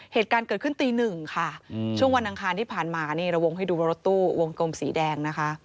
เหตุการณ์เกิดขึ้นตีหนึ่งค่ะช่วงวันอังคารที่ผ่านมานี่เราวงให้ดูบนรถตู้วงกลมสีแดงนะคะ